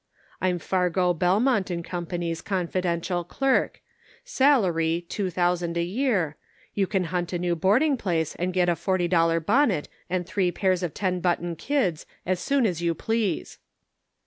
I'm Fargo, Belmont & Co.'s confiden tial clerk ; salary two thousand a year ; you can hunt a new boarding place, arid get a forty dollar bonnet and three pairs of ten button kids as soon as you please."